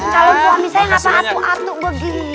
kalau suami saya gak apa apa atuk atuk begitu